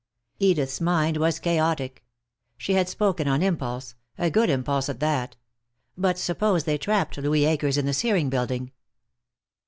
Edith's mind was chaotic. She had spoken on impulse, a good impulse at that. But suppose they trapped Louis Akers in the Searing Building?